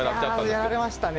やられましたね